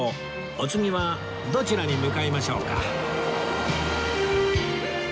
お次はどちらに向かいましょうか？